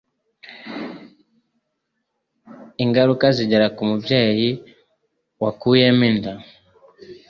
Ingaruka zigera ku mubyeyi wakuyemo inda